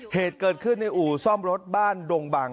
เหตุเกิดขึ้นในอู่ซ่อมรถบ้านดงบัง